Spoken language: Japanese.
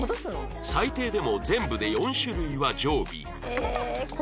最低でも全部で４種類は常備